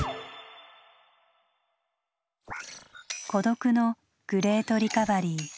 「孤独」のグレートリカバリー。